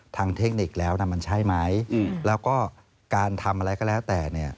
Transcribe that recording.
ทางเทคนิคแล้วมันใช่ไหมแล้วก็การทำอะไรก็แล้วแต่